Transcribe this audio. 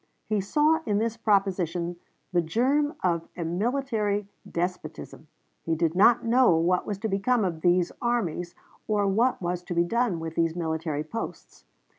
He saw in this proposition the germ of a military despotism. He did not know what was to become of these armies, or what was to be done with these military posts.